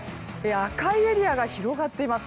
赤いエリアが広がっています。